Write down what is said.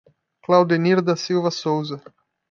Claudenir da Silva Souza